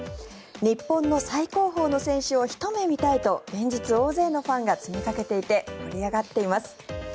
日本の最高峰の選手をひと目見たいと連日、大勢のファンが詰めかけていて盛り上がっています。